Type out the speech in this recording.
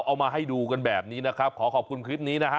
เอามาให้ดูกันแบบนี้นะครับขอขอบคุณคลิปนี้นะฮะ